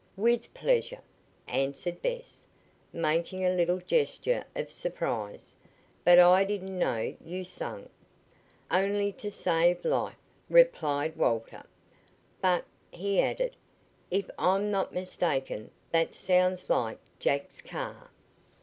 "With pleasure," answered Bess, making a little gesture of surprise. "But I didn't know you sang." "Only to save life," replied Waiter. "But," he added, "if I'm not mistaken that sounds like Jack's car."